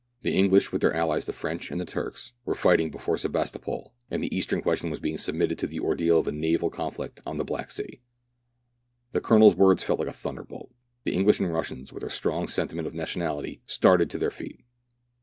The English, with their alHes the French and Turks, were fighting before Sebastopol, and the Eastern question was being submitted to the ordeal of a naval conflict on the Black Sea. The Colonel's words fell like a thunderbolt. The English and Russians, with their strong sentiment of nationality, started to their feet.